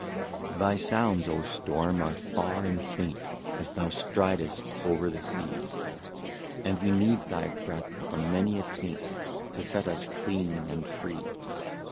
Thy sounds, oh storm, are far and faint. As thou stridest over the sea, And we need thy breath from many a taint To set us clean and free.